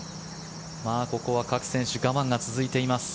ここは各選手我慢が続いています。